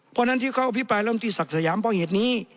เพราะฉะนั้นที่เขาอภิปรายเริ่มที่ศักดิ์สยามเพราะเหตุนี้